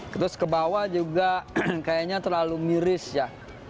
terus ke bawah juga kayaknya terlalu miris ya